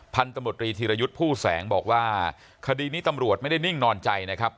พันธมตรีธีรยุทธ์ผู้แสงบอกว่าคดีนี้ตำรวจไม่ได้นิ่งนอนใจนะครับ